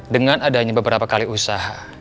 dengan adanya beberapa kali usaha